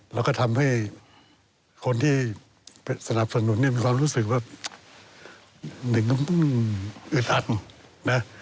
แล้วก็ทำให้คนที่สนับสนุนเนี่ยมีความรู้สึกว่าหนึ่งต้องอึดอัดนะ